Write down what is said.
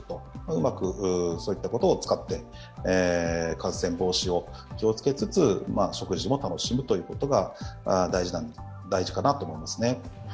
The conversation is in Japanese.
うまくそういったことを使って感染防止を気をつけつつ、食事も楽しむということが大事かなと思いますね。